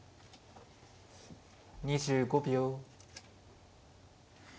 ２５秒。